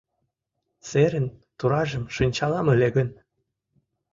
Серын туражым шинчалам ыле гын